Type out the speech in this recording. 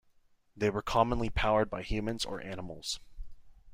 They were commonly powered by humans or animals.